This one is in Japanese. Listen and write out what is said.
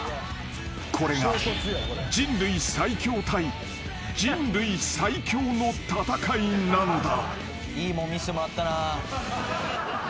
［これが人類最強対人類最強の戦いなのだ］